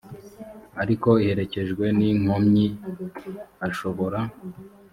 ariko iherekejwe n inkomyi ashobora